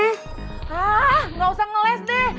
hah nggak usah ngeles deh